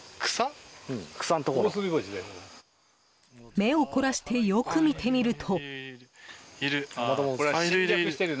目を凝らしてよく見てみると。